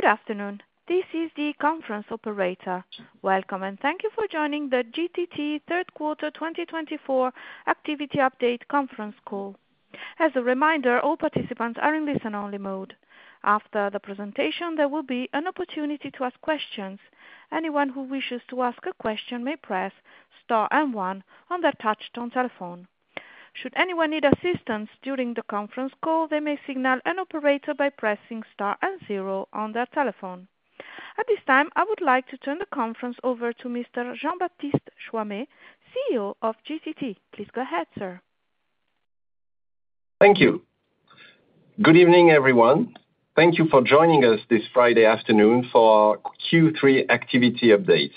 Good afternoon. This is the conference operator. Welcome, and thank you for joining the GTT Third Quarter 2024 Activity Update conference call. As a reminder, all participants are in listen-only mode. After the presentation, there will be an opportunity to ask questions. Anyone who wishes to ask a question may press Star and One on their touchtone telephone. Should anyone need assistance during the conference call, they may signal an operator by pressing Star and Zero on their telephone. At this time, I would like to turn the conference over to Mr. Jean-Baptiste Choimet, CEO of GTT. Please go ahead, sir. Thank you. Good evening, everyone. Thank you for joining us this Friday afternoon for our Q3 activity update.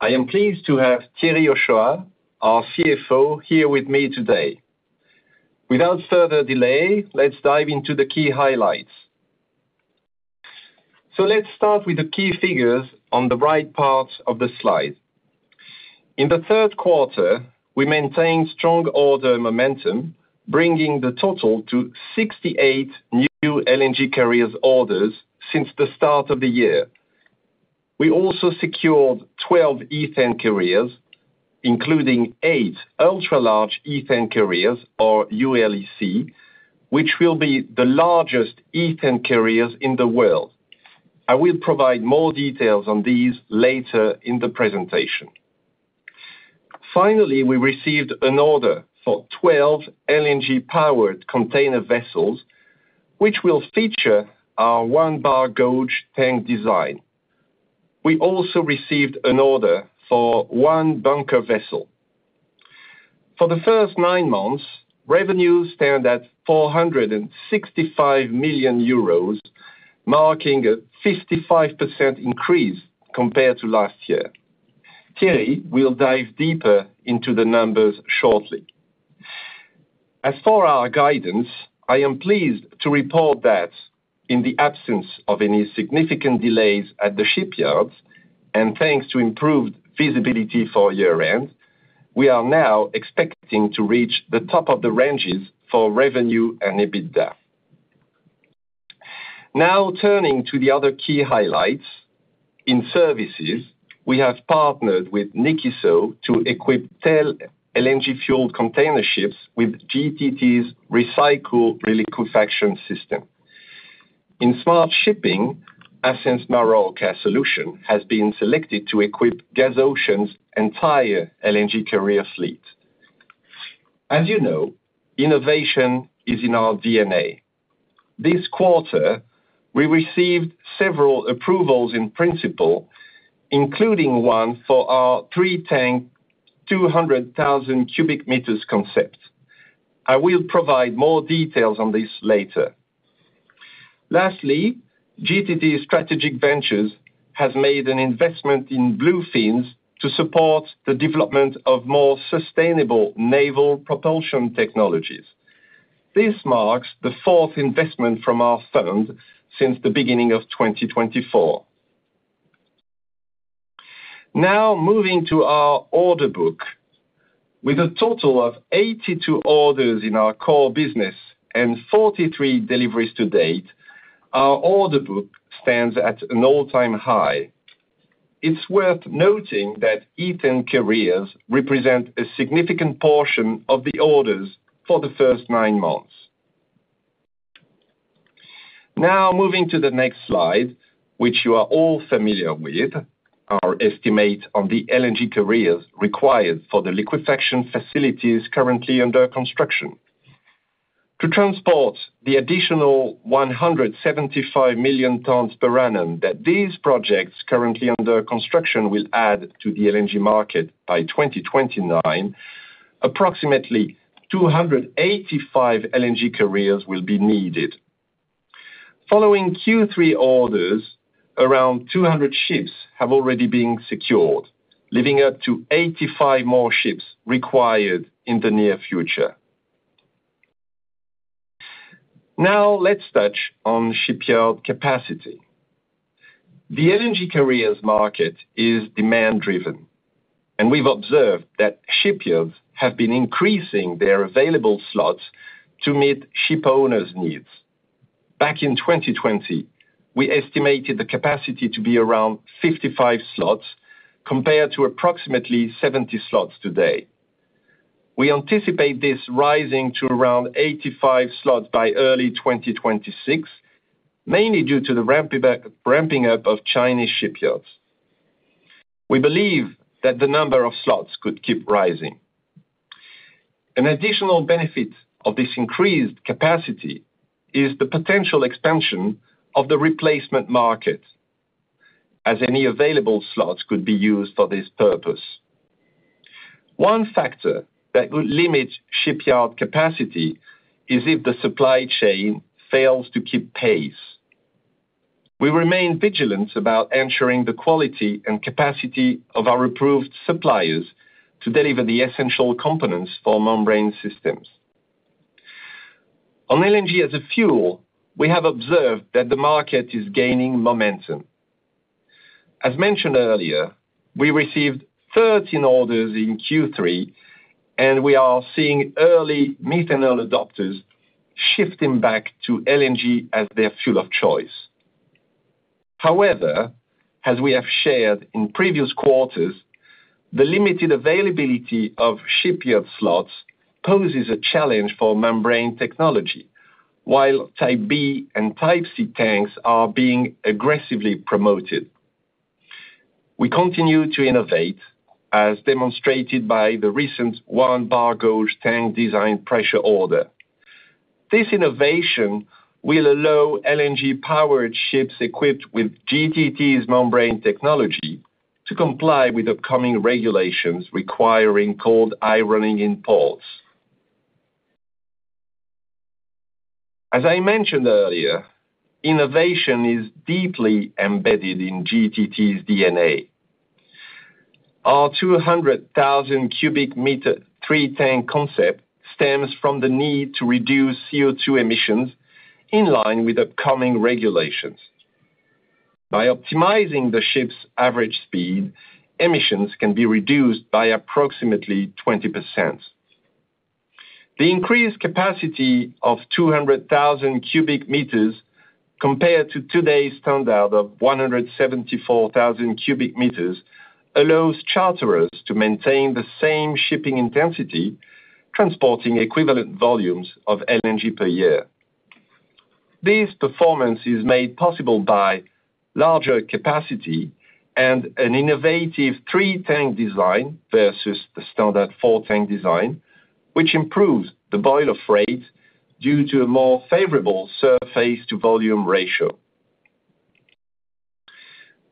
I am pleased to have Thierry Hochoa, our CFO, here with me today. Without further delay, let's dive into the key highlights. So let's start with the key figures on the right part of the slide. In the third quarter, we maintained strong order momentum, bringing the total to 68 new LNG carriers orders since the start of the year. We also secured 12 ethane carriers, including 8 ultra-large ethane carriers, or ULEC, which will be the largest ethane carriers in the world. I will provide more details on these later in the presentation. Finally, we received an order for 12 LNG-powered container vessels, which will feature our one bar gauge tank design. We also received an order for one bunker vessel. For the first nine months, revenues stand at 465 million euros, marking a 55% increase compared to last year. Thierry will dive deeper into the numbers shortly. As for our guidance, I am pleased to report that in the absence of any significant delays at the shipyards, and thanks to improved visibility for year-end, we are now expecting to reach the top of the ranges for revenue and EBITDA. Now, turning to the other key highlights. In services, we have partnered with Nikkiso to equip dual LNG-fueled container ships with GTT's Recycool reliquefaction system. In smart shipping, Ascenz Marorka solution has been selected to equip Gasocean's entire LNG carrier fleet. As you know, innovation is in our DNA. This quarter, we received several approvals in principle, including one for our three-tank, 200,000 cubic meters concept. I will provide more details on this later. Lastly, GTT Strategic Ventures has made an investment in Bluefins to support the development of more sustainable naval propulsion technologies. This marks the fourth investment from our firm since the beginning of 2024. Now, moving to our order book. With a total of 82 orders in our core business and 43 deliveries to date, our order book stands at an all-time high. It's worth noting that ethane carriers represent a significant portion of the orders for the first nine months. Now, moving to the next slide, which you are all familiar with, our estimate on the LNG carriers required for the liquefaction facilities currently under construction. To transport the additional one hundred 75 million tons per annum that these projects currently under construction will add to the LNG market by 2029, approximately 285 LNG carriers will be needed. Following Q3 orders, around 200 ships have already been secured, leaving up to 85 more ships required in the near future. Now, let's touch on shipyard capacity. The LNG carriers market is demand-driven, and we've observed that shipyards have been increasing their available slots to meet shipowners' needs. Back in 2020, we estimated the capacity to be around 55 slots, compared to approximately 70 slots today. We anticipate this rising to around 85 slots by early 2026, mainly due to the ramping up of Chinese shipyards. We believe that the number of slots could keep rising. An additional benefit of this increased capacity is the potential expansion of the replacement market, as any available slots could be used for this purpose. One factor that would limit shipyard capacity is if the supply chain fails to keep pace. We remain vigilant about ensuring the quality and capacity of our approved suppliers to deliver the essential components for membrane systems. On LNG as a fuel, we have observed that the market is gaining momentum. As mentioned earlier, we received 13 orders in Q3, and we are seeing early methanol adopters shifting back to LNG as their fuel of choice. However, as we have shared in previous quarters, the limited availability of shipyard slots poses a challenge for membrane technology, while Type B and Type C tanks are being aggressively promoted. We continue to innovate, as demonstrated by the recent 1 barg tank design pressure order. This innovation will allow LNG-powered ships equipped with GTT's membrane technology to comply with upcoming regulations requiring cold ironing in ports. As I mentioned earlier, innovation is deeply embedded in GTT's DNA. Our 200,000 cubic meter three tank concept stems from the need to reduce CO2 emissions in line with upcoming regulations. By optimizing the ship's average speed, emissions can be reduced by approximately 20%. The increased capacity of 200,000 cubic meters, compared to today's standard of 174,000 cubic meters, allows charterers to maintain the same shipping intensity, transporting equivalent volumes of LNG per year. This performance is made possible by larger capacity and an innovative three-tank design versus the standard four-tank design, which improves the boil-off rate due to a more favorable surface-to-volume ratio.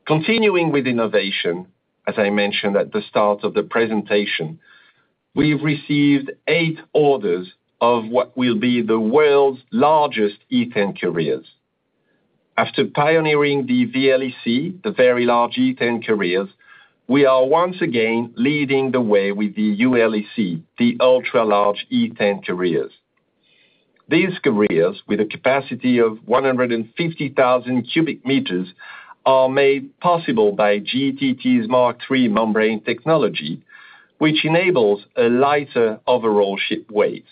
Continuing with innovation, as I mentioned at the start of the presentation, we've received eight orders of what will be the world's largest ethane carriers. After pioneering the VLEC, the very large ethane carriers, we are once again leading the way with the ULEC, the ultra-large ethane carriers. These carriers, with a capacity of 150,000 cubic meters, are made possible by GTT's Mark III membrane technology, which enables a lighter overall ship weight.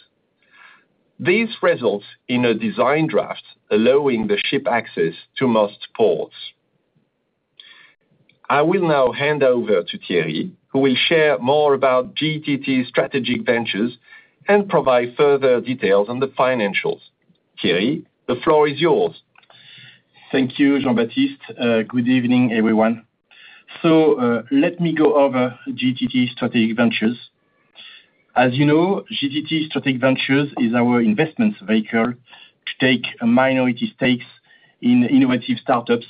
This results in a design draft, allowing the ship access to most ports. I will now hand over to Thierry, who will share more about GTT's strategic ventures and provide further details on the financials. Thierry, the floor is yours. Thank you, Jean-Baptiste. Good evening, everyone. So, let me go over GTT Strategic Ventures. As you know, GTT Strategic Ventures is our investment vehicle to take minority stakes in innovative startups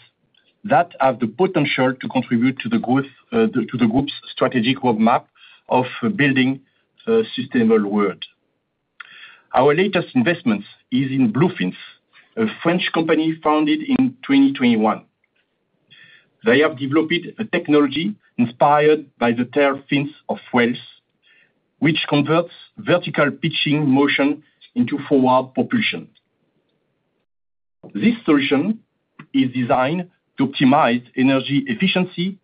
that have the potential to contribute to the growth, to the group's strategic roadmap of building a sustainable world. Our latest investment is in Bluefins, a French company founded in 2021. They have developed a technology inspired by the tail fins of whales, which converts vertical pitching motion into forward propulsion. This solution is designed to optimize energy efficiency,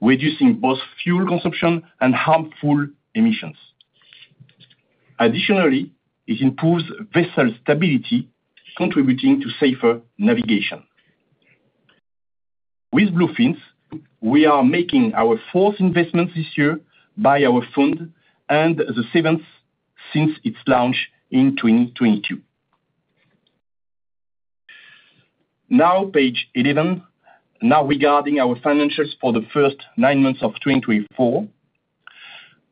reducing both fuel consumption and harmful emissions. Additionally, it improves vessel stability, contributing to safer navigation. With Bluefins, we are making our fourth investment this year by our fund and the seventh since its launch in 2022. Now, page eleven. Now, regarding our financials for the first nine months of 2024,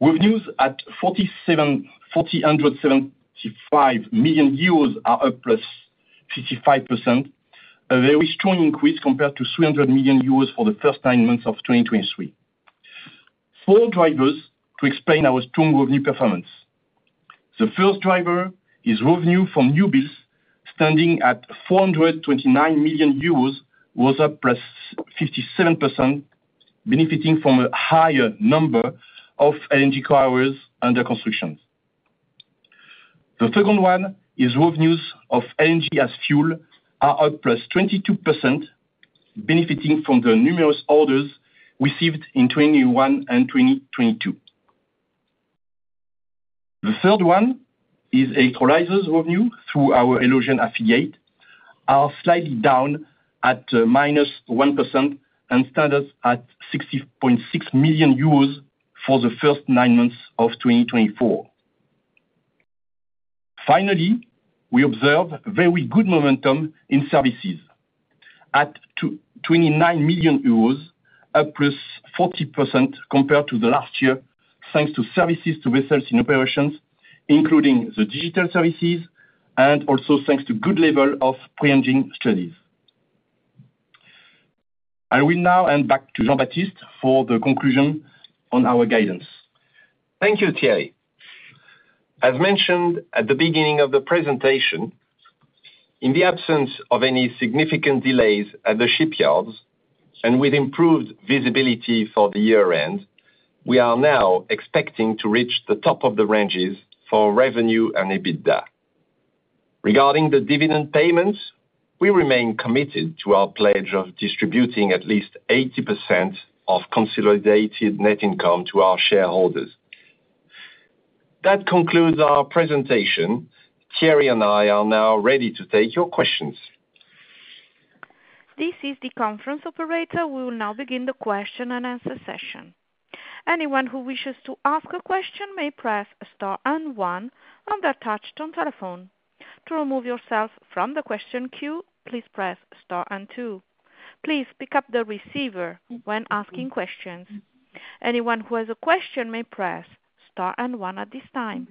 revenues at 475 million euros are up +55%, a very strong increase compared to 300 million euros for the first nine months of 2023. Four drivers to explain our strong revenue performance. The first driver is revenue from new builds, standing at 429 million euros, was up +57%, benefiting from a higher number of LNG carriers under construction. The second one is revenues of LNG as fuel are up +22%, benefiting from the numerous orders received in 2021 and 2022. The third one is electrolyzers revenue through our Elogen affiliate, are slightly down at -1% and standing at 60.6 million euros for the first nine months of 2024. Finally, we observed very good momentum in services. At 29 million euros, up plus 40% compared to the last year, thanks to services to vessels in operations, including the digital services, and also thanks to good level of pre-engineering studies. I will now hand back to Jean-Baptiste for the conclusion on our guidance. Thank you, Thierry. As mentioned at the beginning of the presentation, in the absence of any significant delays at the shipyards and with improved visibility for the year-end, we are now expecting to reach the top of the ranges for revenue and EBITDA. Regarding the dividend payments, we remain committed to our pledge of distributing at least 80% of consolidated net income to our shareholders. That concludes our presentation. Thierry and I are now ready to take your questions. This is the conference operator. We will now begin the question and answer session. Anyone who wishes to ask a question may press star and one on their touchtone telephone. To remove yourself from the question queue, please press star and two. Please pick up the receiver when asking questions. Anyone who has a question may press star and one at this time.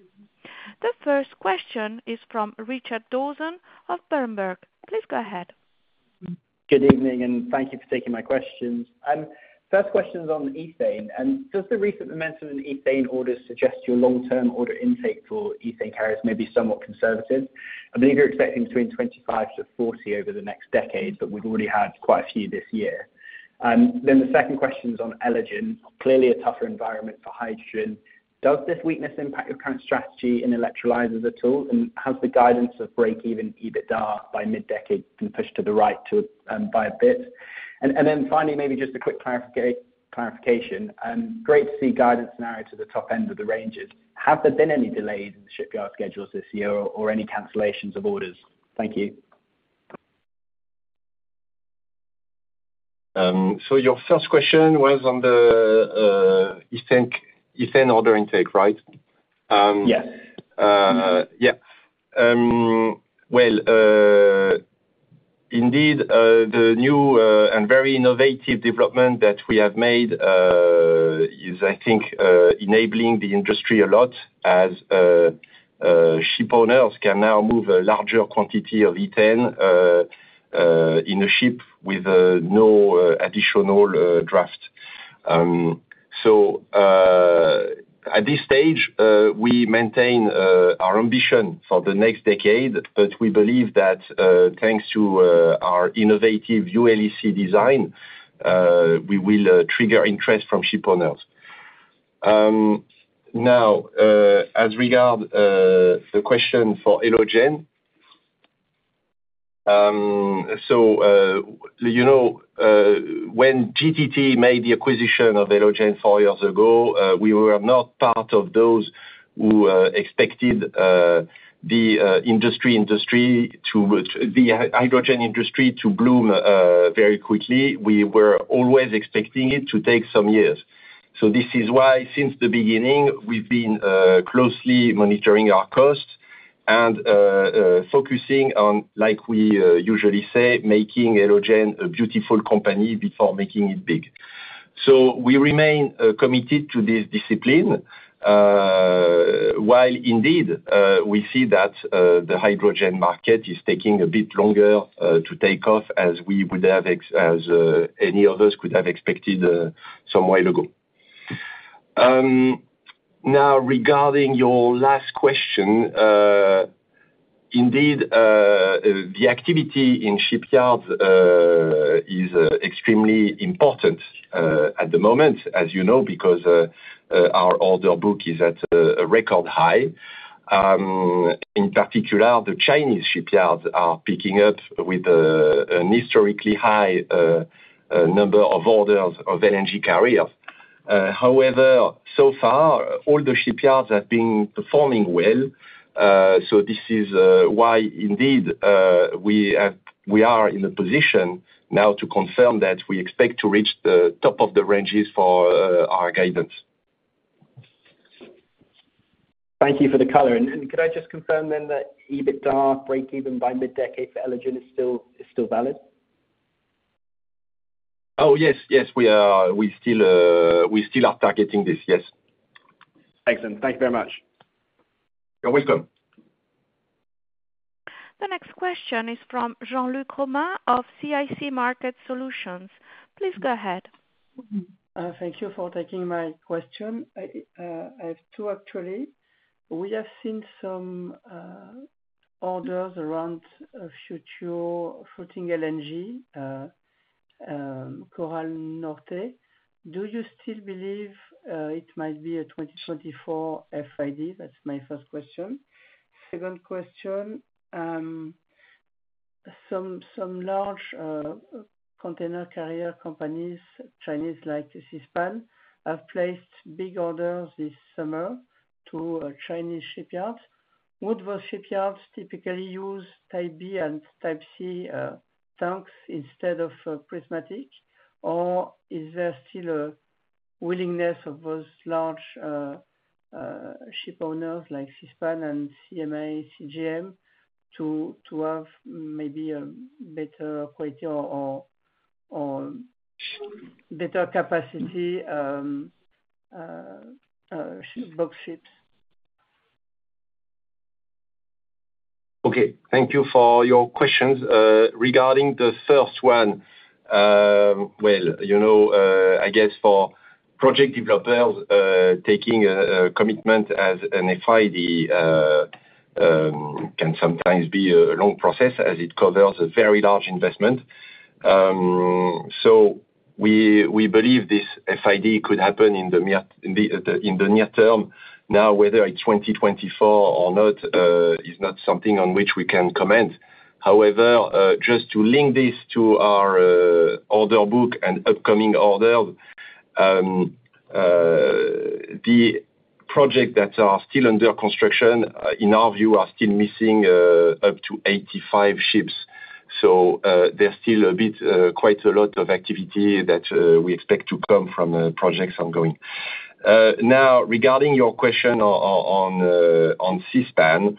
The first question is from Richard Dawson of Berenberg. Please go ahead. Good evening, and thank you for taking my questions. First question is on ethane, and does the recent momentum in ethane orders suggest your long-term order intake for ethane carriers may be somewhat conservative? I believe you're expecting between 2025 to 2040 over the next decade, but we've already had quite a few this year. Then the second question is on Elogen. Clearly a tougher environment for hydrogen. Does this weakness impact your current strategy in electrolyzers at all? And has the guidance of breakeven EBITDA by mid-decade been pushed to the right by a bit? And then finally, maybe just a quick clarification. Great to see guidance narrowed to the top end of the ranges. Have there been any delays in the shipyard schedules this year or any cancellations of orders? Thank you. So your first question was on the ethane order intake, right? Um, yes. Yeah. Well, indeed, the new and very innovative development that we have made is, I think, enabling the industry a lot, as ship owners can now move a larger quantity of ethane in a ship with no additional draft. So, at this stage, we maintain our ambition for the next decade, but we believe that, thanks to our innovative ULEC design, we will trigger interest from shipowners. Now, as regards the question for Elogen. So, you know, when GTT made the acquisition of Elogen four years ago, we were not part of those who expected the hydrogen industry to bloom very quickly. We were always expecting it to take some years. So this is why, since the beginning, we've been closely monitoring our costs and focusing on, like we usually say, making Elogen a beautiful company before making it big. We remain committed to this discipline while indeed we see that the hydrogen market is taking a bit longer to take off as any of us could have expected some time ago. Now, regarding your last question, indeed, the activity in shipyards is extremely important at the moment, as you know, because our order book is at a record high. In particular, the Chinese shipyards are picking up with a historically high number of orders of LNG carriers. However, so far, all the shipyards have been performing well. So this is why indeed we are in a position now to confirm that we expect to reach the top of the ranges for our guidance. Thank you for the color, and could I just confirm then that EBITDA breakeven by mid-decade for Elogen is still valid? Oh, yes, yes, we are. We still are targeting this, yes. Excellent. Thank you very much. You're welcome. The next question is from Jean-Luc Romain of CIC Market Solutions. Please go ahead. Thank you for taking my question. I have two, actually. We have seen some orders around future floating LNG, Coral Norte. Do you still believe it might be a 2024 FID? That's my first question. Second question, some large container carrier companies, Chinese like Seaspan, have placed big orders this summer to Chinese shipyards. Would those shipyards typically use Type B and Type C tanks instead of prismatic? Or is there still a willingness of those large shipowners like Seaspan and CMA CGM to have maybe a better quality or better capacity box ship? Okay, thank you for your questions. Regarding the first one, well, you know, I guess for project developers, taking a commitment as an FID can sometimes be a long process, as it covers a very large investment. So we believe this FID could happen in the near term. Now, whether it's 2024 or not, is not something on which we can comment. However, just to link this to our order book and upcoming order, the project that are still under construction, in our view, are still missing up to 85 ships. So, there's still a bit, quite a lot of activity that we expect to come from the projects ongoing. Now regarding your question on Seaspan,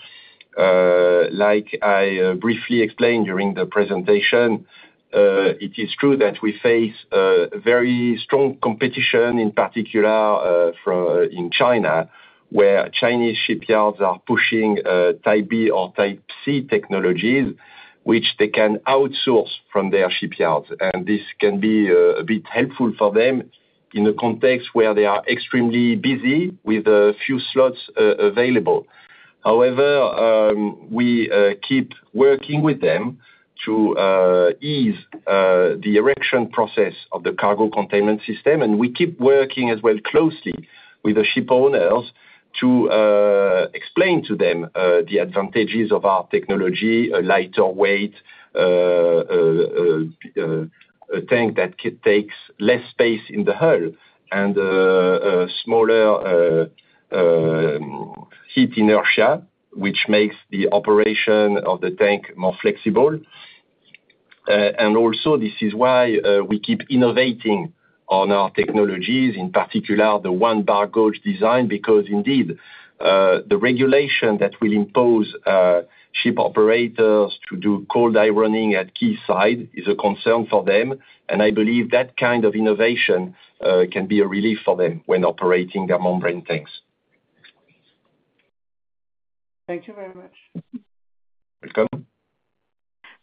like I briefly explained during the presentation, it is true that we face very strong competition in particular for in China, where Chinese shipyards are pushing Type B or Type C technologies, which they can outsource from their shipyards, and this can be a bit helpful for them in a context where they are extremely busy with a few slots available. However, we keep working with them to ease the erection process of the cargo containment system, and we keep working as well closely with the shipowners to explain to them the advantages of our technology, a lighter weight, a tank that takes less space in the hull, and a smaller heat inertia, which makes the operation of the tank more flexible. And also this is why we keep innovating on our technologies, in particular the one bar gauge design, because indeed the regulation that will impose ship operators to do cold ironing at quayside is a concern for them. And I believe that kind of innovation can be a relief for them when operating their membrane tanks. Thank you very much. Welcome!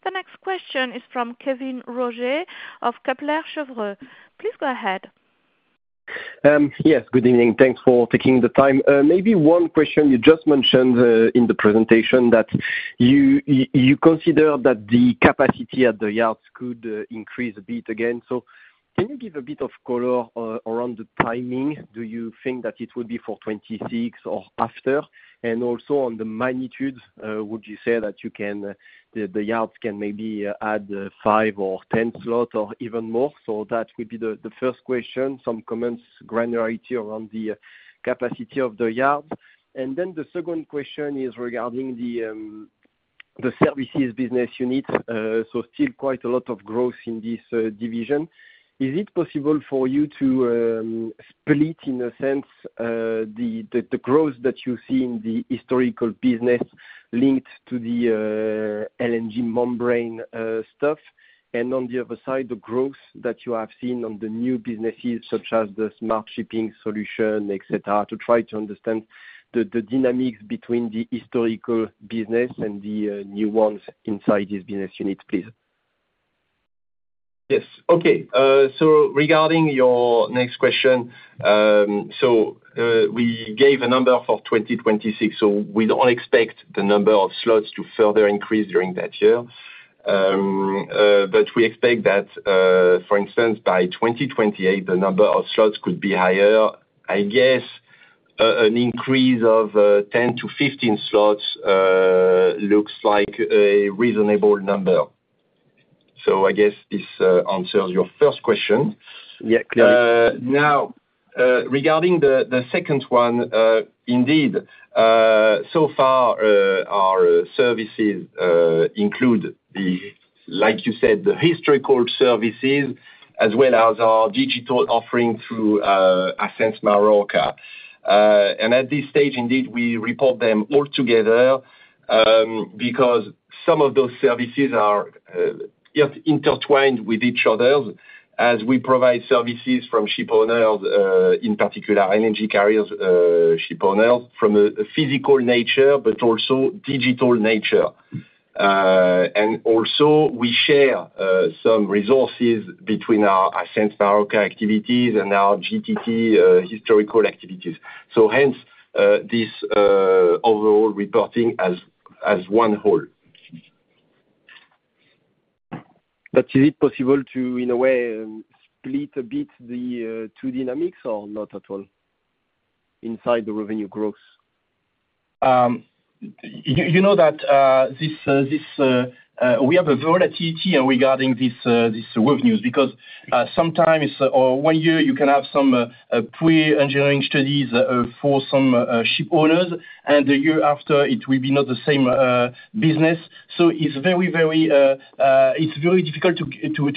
The next question is from Kevin Roger of Kepler Cheuvreux. Please go ahead. Yes, good evening. Thanks for taking the time. Maybe one question, you just mentioned in the presentation that you consider that the capacity at the yards could increase a bit again. So can you give a bit of color around the timing? Do you think that it will be for 2026 or after? And also on the magnitude, would you say that the yards can maybe add five or 10 slots or even more? So that would be the first question, some comments, granularity around the capacity of the yard. And then the second question is regarding the services business unit. So still quite a lot of growth in this division. Is it possible for you to split, in a sense, the growth that you see in the historical business linked to the LNG membrane stuff? And on the other side, the growth that you have seen on the new businesses, such as the smart shipping solution, etc., to try to understand the dynamics between the historical business and the new ones inside this business unit, please. Yes. Okay. So regarding your next question, so we gave a number for 2026, so we don't expect the number of slots to further increase during that year. But we expect that, for instance, by 2028, the number of slots could be higher. I guess, an increase of, 10-15 slots, looks like a reasonable number. So I guess this answers your first question. Yeah, clearly. Now, regarding the second one, indeed, so far, our services include the, like you said, the historical services as well as our digital offering through Ascenz Marorka. And at this stage, indeed, we report them all together, because some of those services are yet intertwined with each other as we provide services from shipowners, in particular, LNG carriers, from a physical nature, but also digital nature. And also we share some resources between our Ascenz Marorka activities and our GTT historical activities. So hence, this overall reporting as one whole. But is it possible to, in a way, split a bit the two dynamics or not at all inside the revenue growth? You know that, this, this, we have a volatility regarding this, this revenues, because, sometimes or one year, you can have some, pre-engineering studies, for some, shipowners, and the year after it will be not the same, business. So it's very, very, it's very difficult to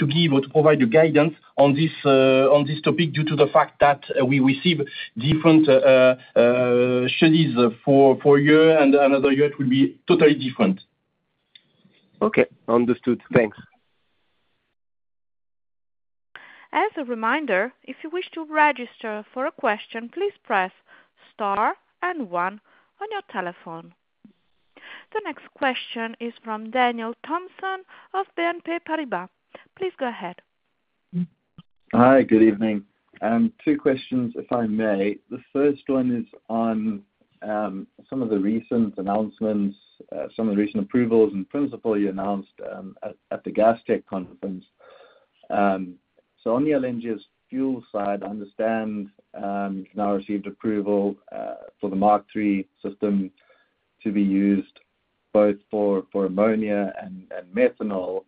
give or to provide a guidance on this, on this topic, due to the fact that, we receive different, studies for, for a year and another year it will be totally different. Okay. Understood. Thanks. As a reminder, if you wish to register for a question, please press star and one on your telephone. The next question is from Daniel Thomson of BNP Paribas. Please go ahead. Hi, good evening. Two questions, if I may. The first one is on some of the recent announcements, some of the recent approvals. In principle, you announced at the Gastech conference. So on the LNG as fuel side, I understand you've now received approval for the Mark III system to be used both for ammonia and methanol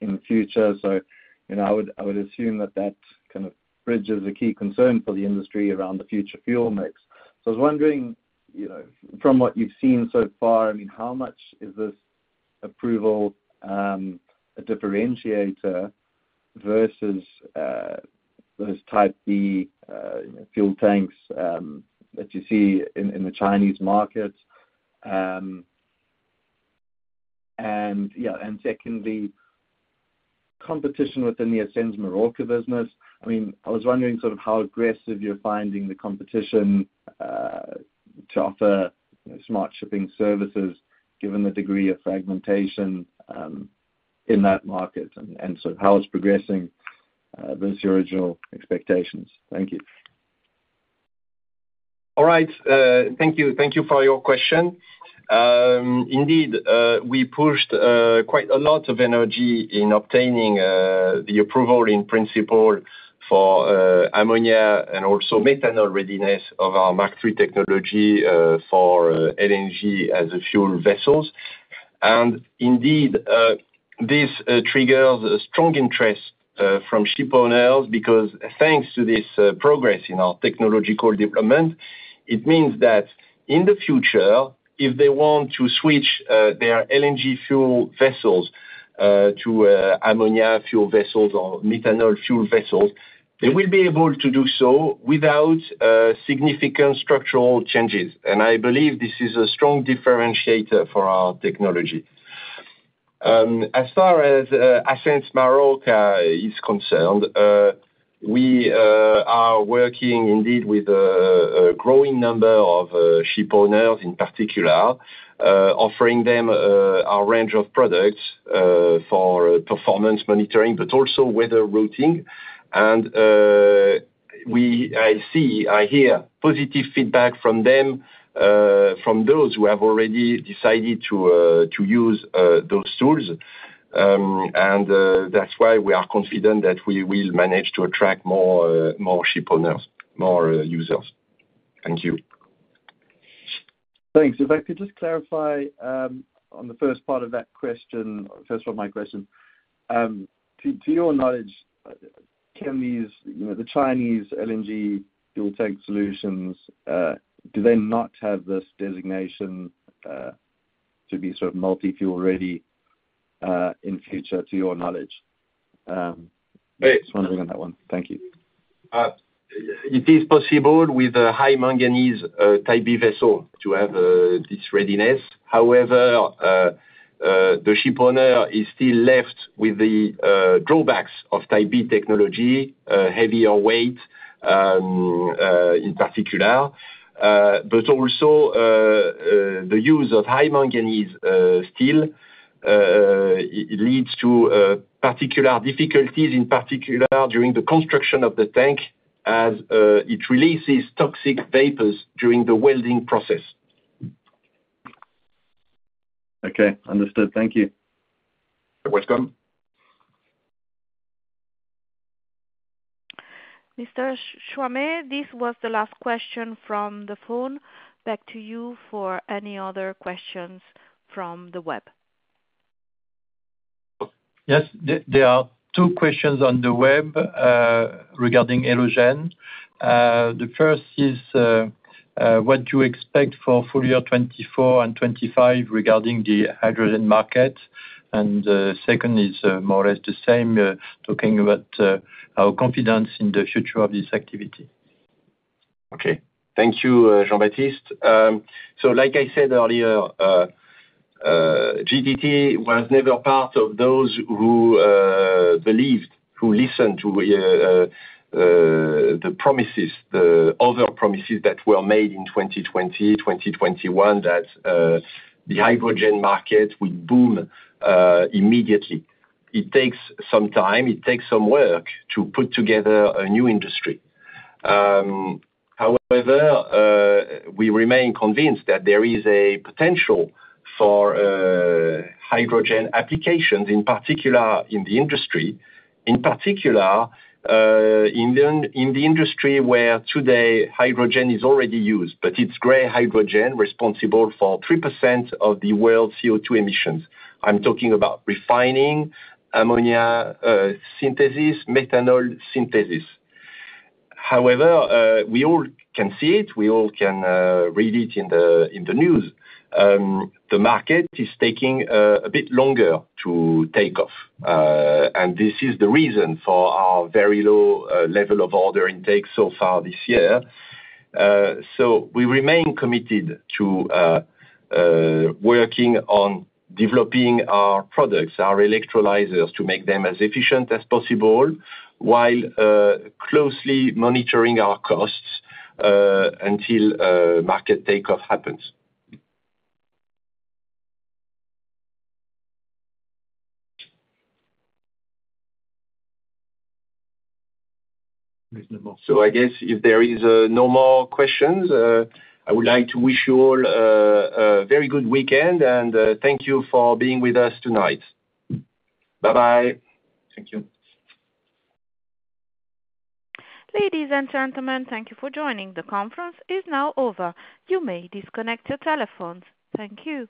in the future. So, you know, I would assume that that kind of bridges the key concern for the industry around the future fuel mix. So I was wondering, you know, from what you've seen so far, I mean, how much is this approval a differentiator versus those Type B fuel tanks that you see in the Chinese market? And secondly, competition within the Ascenz Marorka business. I mean, I was wondering sort of how aggressive you're finding the competition to offer smart shipping services, given the degree of fragmentation in that market, and so how it's progressing versus your original expectations? Thank you. All right. Thank you. Thank you for your question. Indeed, we pushed quite a lot of energy in obtaining the approval in principle for ammonia and also methanol readiness of our Mark III technology for LNG as a fuel vessels. And indeed, this triggers a strong interest from shipowners, because thanks to this progress in our technological development, it means that in the future, if they want to switch their LNG fuel vessels to ammonia fuel vessels or methanol fuel vessels, they will be able to do so without significant structural changes. And I believe this is a strong differentiator for our technology. As far as Ascenz Marorka is concerned, we are working indeed with a growing number of shipowners, in particular, offering them a range of products for performance monitoring, but also weather routing. We see. I hear positive feedback from them, from those who have already decided to use those tools. That's why we are confident that we will manage to attract more shipowners, more users. Thank you. Thanks. If I could just clarify, on the first part of that question, first of all, my question. To, to your knowledge, can these, you know, the Chinese LNG dual tank solutions, do they not have this designation, to be sort of multi-fuel ready, in future, to your knowledge? Just wondering on that one. Thank you. It is possible with a high manganese Type B vessel to have this readiness. However, the shipowner is still left with the drawbacks of Type B technology, heavier weight, in particular, but also the use of high manganese steel. It leads to particular difficulties, in particular during the construction of the tank, as it releases toxic vapors during the welding process. Okay, understood. Thank you. You're welcome. Mr. Choimet, this was the last question from the phone. Back to you for any other questions from the web. Yes, there are two questions on the web regarding hydrogen. The first is what you expect for full year 2024 and 2025 regarding the hydrogen market, and second is more or less the same, talking about our confidence in the future of this activity. Okay. Thank you, Jean-Baptiste. So like I said earlier, GTT was never part of those who believed, who listened to the promises, the other promises that were made in 2020, 2021, that the hydrogen market would boom immediately. It takes some time, it takes some work to put together a new industry. However, we remain convinced that there is a potential for hydrogen applications, in particular in the industry, where today hydrogen is already used, but it's gray hydrogen, responsible for 3% of the world's CO2 emissions. I'm talking about refining, ammonia synthesis, methanol synthesis. However, we all can see it, we all can read it in the news. The market is taking a bit longer to take off, and this is the reason for our very low level of order intake so far this year. So we remain committed to working on developing our products, our electrolyzers, to make them as efficient as possible, while closely monitoring our costs, until market takeoff happens. There's no more. So I guess if there is no more questions, I would like to wish you all a very good weekend, and thank you for being with us tonight. Bye-bye. Thank you. Ladies and gentlemen, thank you for joining. The conference is now over. You may disconnect your telephones. Thank you.